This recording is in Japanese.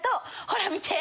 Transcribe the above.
ほら見て！